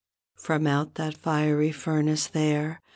From out that fiery furnace there.